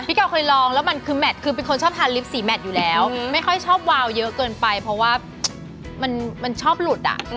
เก่าเคยลองแล้วมันคือแมทคือเป็นคนชอบทานลิฟต์สีแมทอยู่แล้วไม่ค่อยชอบวาวเยอะเกินไปเพราะว่ามันชอบหลุดอ่ะ